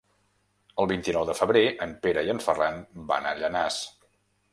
El vint-i-nou de febrer en Pere i en Ferran van a Llanars.